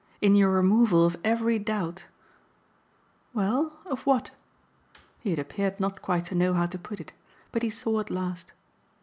In your removal of every doubt " "Well, of what?" He had appeared not quite to know how to put it. But he saw at last.